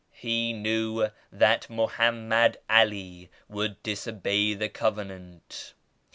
He knew that Mohammed AH would disobey the Covenant.